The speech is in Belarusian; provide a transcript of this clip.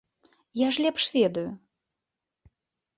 Я ж лепш ведаю!